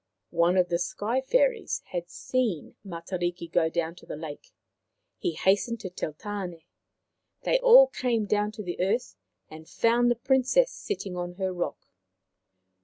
One of the Sky fairies had seen Matariki go down to the lake. He hastened to tell Tane. They all came down to the earth, and found the Princess sitting on her rock.